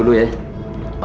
aku mau pergi